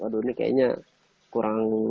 aduh ini kayaknya kurang